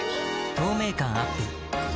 透明感アップ